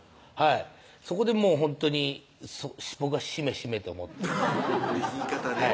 そこでもうほんとに僕はしめしめと思って言い方ね